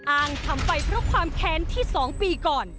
อ้างทำไปเพราะความแค้นที่๒ปีก่อน